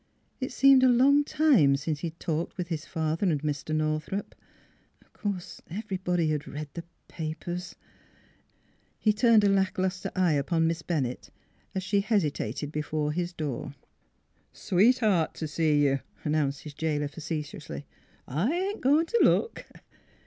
It seemed a long time since he had talked with his father and Mr. Northrup. ... Of course everybody had read the papers. ..., 322 NEIGHBORS He turned a lack luster eye upon Miss Bennett, as she hesitated before his door. " Sweetheart t' see you," announced his jailer facetiously. " I ain't a going t' look."